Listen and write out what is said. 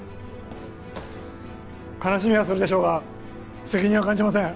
悲しみはするでしょうが責任は感じません。